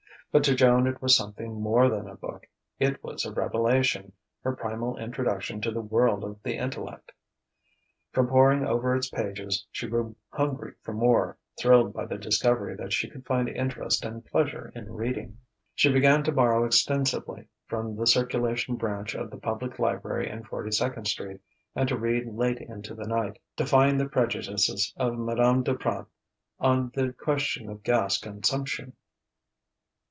But to Joan it was something more than a book; it was a revelation, her primal introduction to the world of the intellect. From poring over its pages, she grew hungry for more, thrilled by the discovery that she could find interest and pleasure in reading. She began to borrow extensively from the circulation branch of the Public Library in Forty second Street, and to read late into the night, defying the prejudices of Madame Duprat on the question of gas consumption....